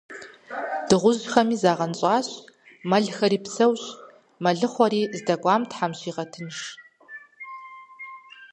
Дыгъужьхэми загъэнщӏащ, мэлхэри псэущ, мэлыхъуэри здэкӏуам Тхьэм щигъэтынш.